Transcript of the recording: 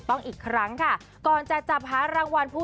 ก็๒คนบ้างไปกับเพื่อนบ้างค่ะ